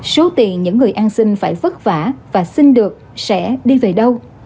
số tiền những người an sinh phải vất vả và xin được sẽ đi về đâu